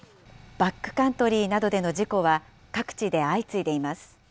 バックカントリーなどでの事故は各地で相次いでいます。